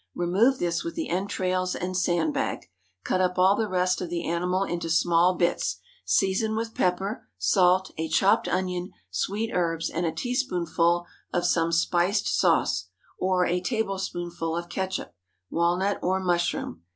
Remove this with the entrails and sand bag. Cut up all the rest of the animal into small bits, season with pepper, salt, a chopped onion, sweet herbs, and a teaspoonful of some spiced sauce, or a tablespoonful of catsup—walnut or mushroom.